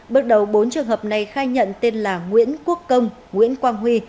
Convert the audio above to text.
bước đầu bốn trường hợp này khai nhận tên là nguyễn quốc công nguyễn quang huy